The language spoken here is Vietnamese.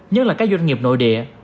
nhất là các doanh nghiệp nội địa